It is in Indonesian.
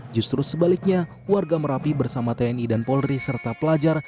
justru sebaliknya warga merapi bersama tni dan polri serta pelajar